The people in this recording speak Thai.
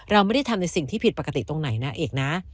เราไม่ได้ทำในสิ่งที่ผิดปกติตรงไหนนะเอกนะ